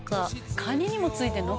「カニにも付いてるの？